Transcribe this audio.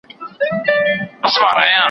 ويل زما د سر امان دي وي څښتنه